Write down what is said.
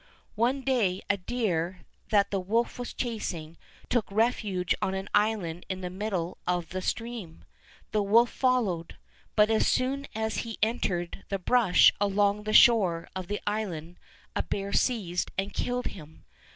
One day a deer that the wolf was chasing took refuge on an island in the middle of the stream. The wolf followed, but as soon as he entered the brush along the shore of the island a bear seized and killed him.